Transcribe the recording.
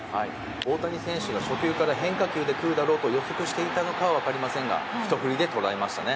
大谷選手から初球から変化球でくるだろうと予測していたかは分かりませんがひと振りで捉えましたね。